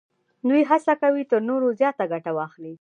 دوی هڅه کوي تر نورو زیاته ګټه واخلي